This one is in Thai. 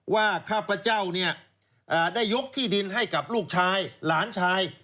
ข้าพเจ้าเนี่ยได้ยกที่ดินให้กับลูกชายหลานชาย